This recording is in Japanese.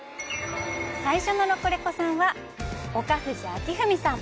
最初のロコレコさんは岡藤明史さん。